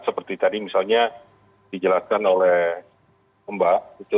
seperti tadi misalnya dijelaskan oleh mbak